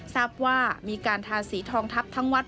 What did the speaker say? ทราบว่ามีการทาสีทองทัพทั้งวัด